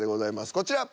こちら。